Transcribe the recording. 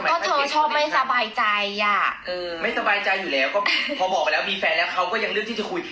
ก็เธอชอบไม่สบายใจอ่ะเออไม่สบายใจอยู่แล้วก็พอบอกไปแล้วมีแฟนแล้วเขาก็ยังเลือกที่จะคุย